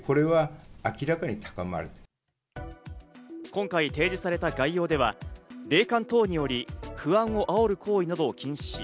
今回提示された概要では、霊感等により不安をあおる行為などを禁止。